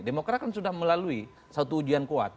demokrat kan sudah melalui satu ujian kuat